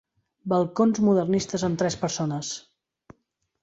Balcons modernistes amb tres persones.